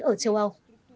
ở châu âu